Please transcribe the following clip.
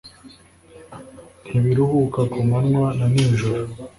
Ntibiruhuka ku manywa na nijoro,